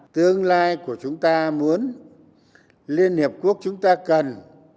tương lai của chúng ta muốn liên hiệp quốc chúng ta cần